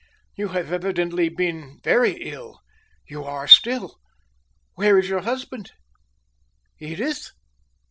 You have evidently been very ill you are still. Where is your husband, Edith?